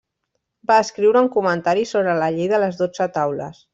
Va escriure un comentari sobre la llei de les dotze taules.